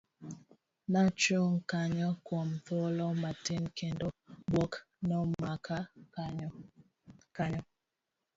Nachung' kanyo kuom thuolo matin, kendo buok nomaka kanyo.